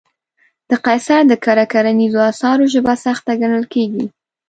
د قیصر د کره کتنیزو اثارو ژبه سخته ګڼل کېږي.